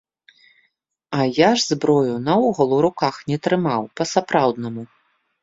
А я ж зброю наогул у руках не трымаў па-сапраўднаму.